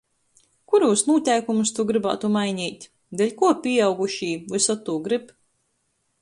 Kurūs nūteikumus tu grybātu maineit? Deļkuo pīaugušī vysod tū gryb?